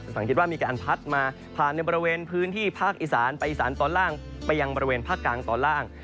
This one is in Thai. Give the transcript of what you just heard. สังเกตว่ามีการพัดมาผ่านในบริเวณพื้นที่ภาคอีสานไปอีสานตอนล่างไปยังบริเวณภาคกลางตอนล่าง